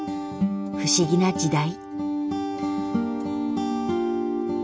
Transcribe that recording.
不思議な時代。